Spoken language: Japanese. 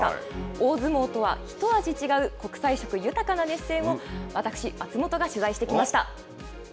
大相撲とは一味違う国際色豊かな熱戦を私、松本が取材してきました。